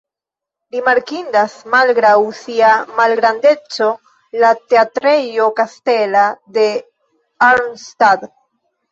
Rimarkindas, malgraŭ sia malgrandeco, la Teatrejo kastela de Arnstadt.